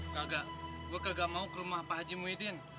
kagak gua kagak mau ke rumah pak haji muhyiddin